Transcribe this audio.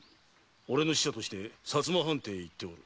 俺の使者として薩摩藩邸へ行っておる。